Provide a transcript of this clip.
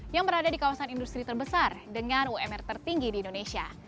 yang berada di kawasan industri terbesar dengan umr tertinggi di indonesia